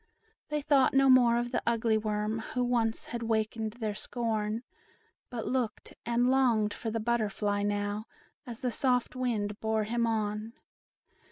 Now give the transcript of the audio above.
They thought no more of the ugly worm, Who once had wakened their scorn; But looked and longed for the butterfly now, As the soft wind bore him on.